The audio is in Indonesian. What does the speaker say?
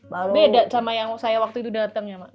beda sama yang saya waktu itu datangnya mak